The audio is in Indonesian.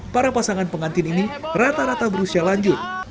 para pasangan pengantin ini rata rata berusia lanjut